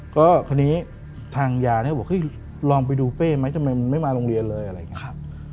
ก็คราวนี้ทางยาเนี่ยก็บอกเฮ้ยลองไปดูเป้ไหมทำไมไม่มาโรงเรียนเลยอะไรอย่างนี้ครับ